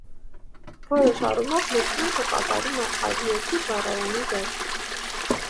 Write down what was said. Որոշ առումով լուծմունքը կատարում է այդ երկի բառարանի դեր։